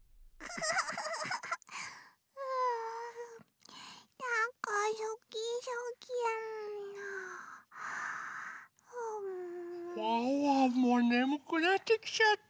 ワンワンもねむくなってきちゃった。